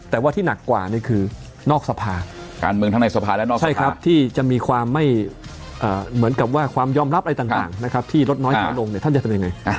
แต่ว่าที่หนักกว่านี่คือนอกสภาที่จะมีความไม่เหมือนกับความยอมรับอะไรต่างที่รดน้อยขนาดโครงท่านอยากจะทำยังไง